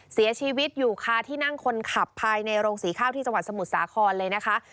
เสียชีวิตอยู่คาที่นั่งคนขับภายในโรงสีข้าวที่จังหวัดสมุทรสาครเลยนะคะ